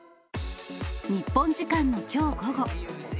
日本時間のきょう午後。